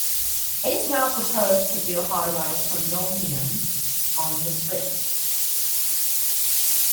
It is now proposed to build high-rise condominiums on this strip.